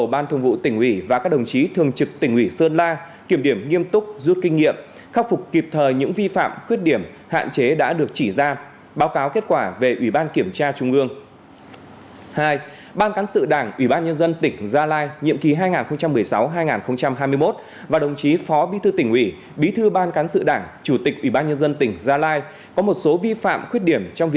hai ban thường vụ tỉnh ủy và các đồng chí thường trực tỉnh ủy sơn la có một số vi phạm khuyết điểm hạn chế thiếu trách nhiệm trong lãnh đạo chỉ đạo